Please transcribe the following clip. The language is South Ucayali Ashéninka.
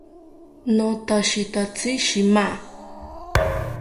Notashitatzi shima